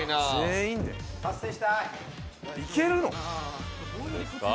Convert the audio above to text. いけるの？